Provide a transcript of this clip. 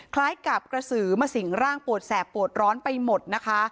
คล้ายกับกระสือมาสิ่งร่างปวดแสบปวดร้อนไปหมดนะคะ